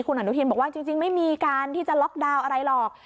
คุณอนุทินบอกว่าจริงไม่มีการที่จะล็อกดาวน์อะไรหรอก